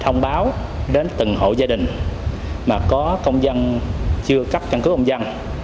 thông báo đến từng hộ gia đình mà có công dân chưa cấp căn cứ công dân